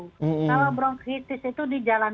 kalau bronkitis itu di jalan